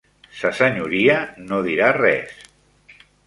Sa Senyoria no dirà res.